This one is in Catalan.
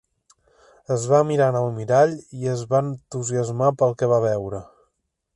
Es va mirar en el mirall i es va entusiasmar pel que va veure.